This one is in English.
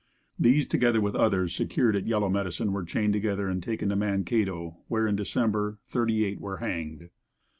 These, together with others secured at Yellow Medicine were chained together and taken to Mankato, where, in December, thirty eight were hanged.